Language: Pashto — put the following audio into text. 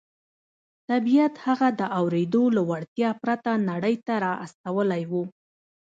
طبیعت هغه د اورېدو له وړتیا پرته نړۍ ته را استولی و